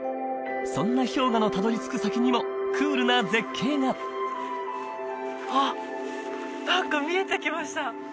そんな氷河のたどり着く先にもクールな絶景があっ何か見えてきました